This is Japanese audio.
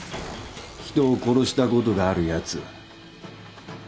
人を殺したことがあるやつ